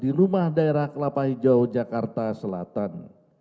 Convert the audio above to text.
di rumah daerah kelapa hijau jakarta selatan